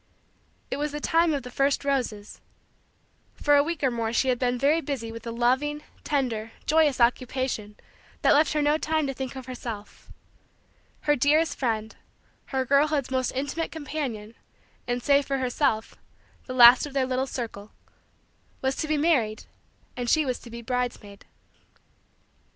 It was the time of the first roses. For a week or more she had been very busy with a loving, tender, joyous, occupation that left her no time to think of herself. Her dearest friend her girlhood's most intimate companion, and, save for herself, the last of their little circle was to be married and she was to be bridesmaid.